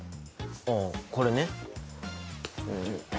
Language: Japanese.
ああこれね？